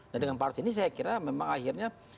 dan dengan empat ratus ini saya kira memang akhirnya